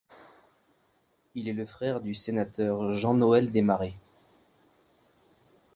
Il est le frère du sénateur Jean Noël Desmarais.